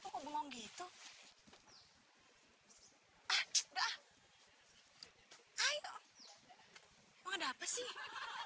mau ada apa sih